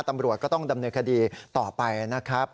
ตำรวจก็ต้องดำเนินคดีต่อไปนะครับ